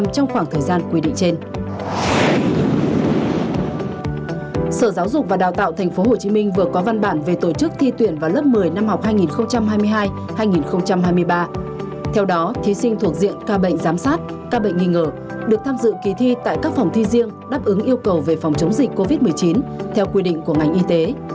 các bệnh nghi ngờ được tham dự kỳ thi tại các phòng thi riêng đáp ứng yêu cầu về phòng chống dịch covid một mươi chín theo quy định của ngành y tế